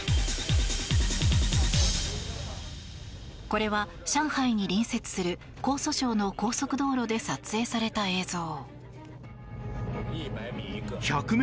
これは上海に隣接する江蘇省の高速道路で撮影された映像。